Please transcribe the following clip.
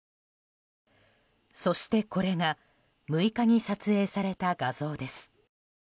そしてこれが６日に撮影された画像です。